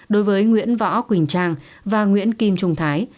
đối với nguyễn võ quỳnh trang và nguyễn kim trung thái